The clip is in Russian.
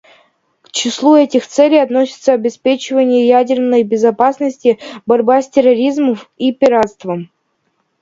К числу этих целей относятся обеспечение ядерной безопасности, борьба с терроризмом и пиратством.